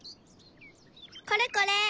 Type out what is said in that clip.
これこれ。